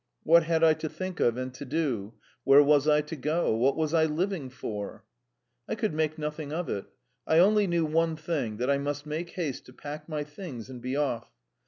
What had I to think of and to do? Where was I to go? What was I living for? I could make nothing of it. I only knew one thing that I must make haste to pack my things and be off.